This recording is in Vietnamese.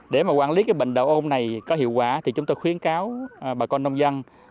để mà quản lý cái bệnh đậu ôm này có hiệu quả thì chúng tôi khuyến cáo bà con nông dân